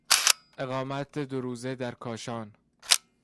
اقامت دو روزه در کاشان